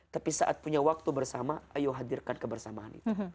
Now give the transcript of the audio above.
tapi saat punya waktu bersama ayo hadirkan kebersamaan itu